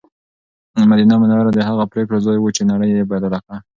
مدینه منوره د هغو پرېکړو ځای و چې نړۍ یې بدله کړه.